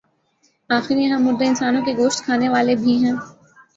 آخر یہاں مردہ انسانوں کے گوشت کھانے والے بھی ہیں۔